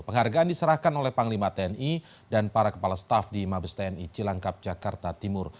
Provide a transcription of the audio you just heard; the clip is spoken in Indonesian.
penghargaan diserahkan oleh panglima tni dan para kepala staf di mabes tni cilangkap jakarta timur